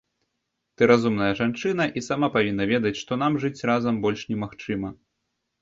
Ты разумная жанчына і сама павінна ведаць, што нам жыць разам больш немагчыма.